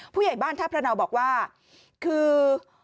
ผู้ใหญ่บ้านท่าพระเนาบอกว่าคือ